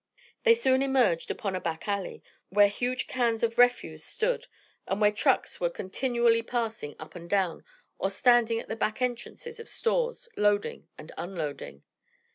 They soon emerged upon a back alley, where huge cans of refuse stood, and where trucks were continually passing up and down or standing at the back entrances of stores loading and unloading.